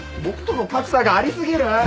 僕との格差がありすぎる！